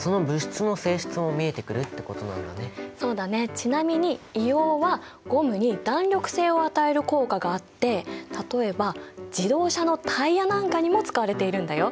ちなみに硫黄はゴムに弾力性を与える効果があって例えば自動車のタイヤなんかにも使われているんだよ。